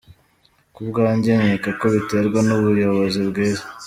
Ku bwanjye nkeka ko biterwa n’ubuyobozi bwiza.